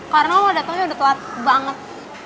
karena lo datenya udah tewat banget